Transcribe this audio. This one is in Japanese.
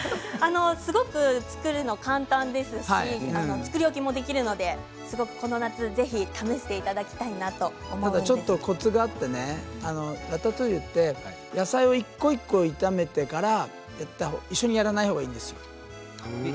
すごく作るのも簡単ですし作り置きもできますのでこの夏、試していただきたいとちょっとコツがあってラタトゥイユは野菜を一個一個炒めてから一緒にやらないほうがいいんですよ。